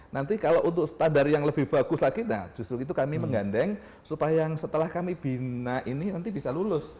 nanti kalau untuk standar yang lebih bagus lagi nah justru itu kami menggandeng supaya yang setelah kami bina ini nanti bisa lulus